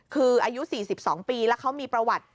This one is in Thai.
คืออายุ๔๒ปีแล้วเขามีประวัติ